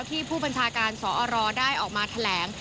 ผู้บัญชาการสอรได้ออกมาแถลง